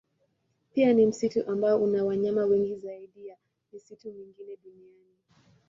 Pia ni msitu ambao una wanyama wengi zaidi ya misitu mingine duniani.